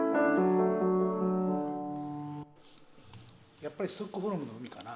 やっぱりストックホルムの海かな？